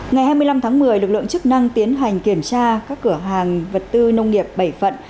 ngày hai mươi năm tháng một mươi lực lượng chức năng tiến hành kiểm tra các cửa hàng vật tư nông nghiệp bảy phận